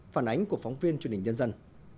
phản ánh của phóng viên truyền hình dân dân